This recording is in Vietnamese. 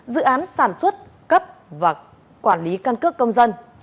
dự án sản xuất cấp và quản lý căn cước công dân